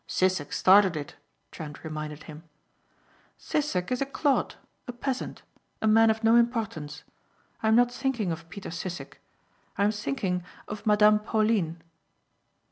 "Sissek started it," Trent reminded him. "Sissek is a clod, a peasant, a man of no importance. I am not thinking of Peter Sissek. I am thinking of Madame Pauline."